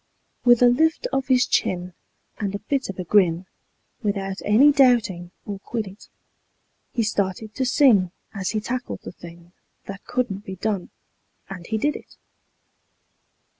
With a lift of his chin and a bit of a grin, Without any doubting or quiddit, He started to sing as he tackled the thing That couldn't be done, and he did it.